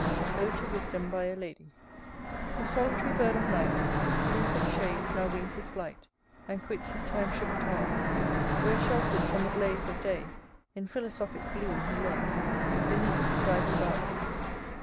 ODE TO WISDOM BY A LADY I. The solitary bird of night Thro' thick shades now wings his flight, And quits his time shook tow'r; Where, shelter'd from the blaze of day, In philosophic gloom he lay, Beneath his ivy bow'r.